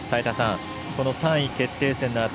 この３位決定戦のあと